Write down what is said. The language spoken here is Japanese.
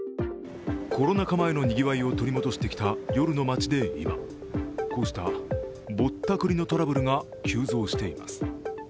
コロナ禍前のにぎわいを取り戻してきた夜の街で今こうしたぼったくりのトラブルが急増しています。